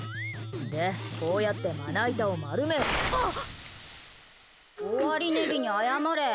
で、こうやってまな板を丸め、あっ。